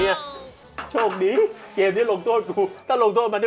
ไม่ใช่มันบีบสดอย่างนี้